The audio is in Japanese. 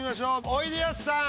おいでやすさん。